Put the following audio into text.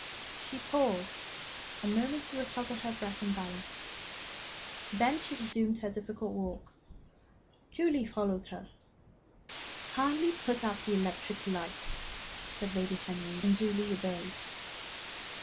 She paused a moment to recover breath and balance. Then she resumed her difficult walk. Julie followed her. "Kindly put out the electric lights," said Lady Henry, and Julie obeyed.